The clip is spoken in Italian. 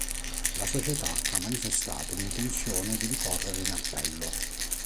La società ha manifestato l'intenzione di ricorrere in appello.